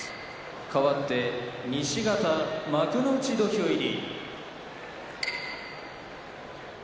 かわって西方幕内土俵入り。